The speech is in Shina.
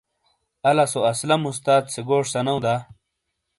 الا سو اسلم استاد سے گوش سنؤ دا؟